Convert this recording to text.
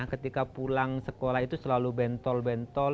ketika pulang sekolah itu selalu bentol bentol